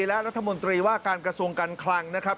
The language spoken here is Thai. และรัฐมนตรีว่าการกระทรวงการคลังนะครับ